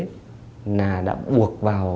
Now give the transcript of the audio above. là đã buộc vào